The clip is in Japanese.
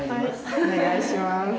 お願いします。